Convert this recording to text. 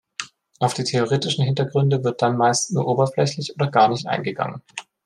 Auf die theoretischen Hintergründe wird dann meist nur oberflächlich oder gar nicht eingegangen.